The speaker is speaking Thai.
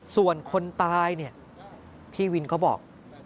ส่วนคนตายเนี่ยพี่วินเขาบอก